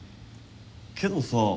けどさ